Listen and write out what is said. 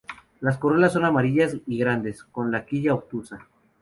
Las corolas son amarillas y grandes, con la quilla obtusa.